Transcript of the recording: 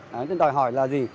đó là đòi hỏi là gì